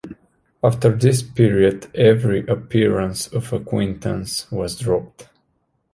After this period every appearance of acquaintance was dropped.